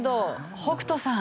北斗さん。